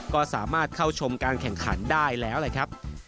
ก็สามารถเข้าชมการแข่งขันได้แล้วแหละครับ